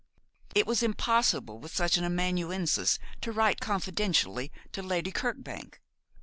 It was impossible with such an amanuensis to write confidentially to Lady Kirkbank.